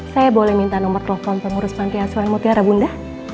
saya boleh minta nomor telepon pengurus panti asuhan mutiara bunda